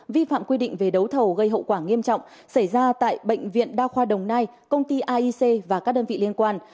vi phạm quy định về đấu thầu gây hậu quả nghiêm trọng xảy ra tại bệnh viện đa khoa đồng nai công ty aic và các đơn vị liên quan